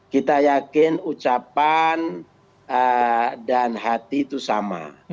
kita yakin ucapan dan hati itu sama